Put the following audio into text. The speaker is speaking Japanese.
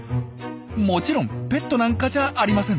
もちろんペットなんかじゃありません。